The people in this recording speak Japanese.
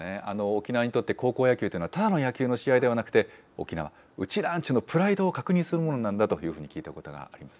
沖縄にとって高校野球というのは、ただの野球の試合ではなくて、沖縄、うちなんちゅのプライドを確認するものなんだと聞いたことがあり